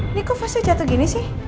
ini kok pasti jatuh gini sih